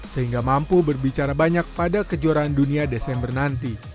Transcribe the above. sehingga mampu berbicara banyak pada kejuaraan dunia desember nanti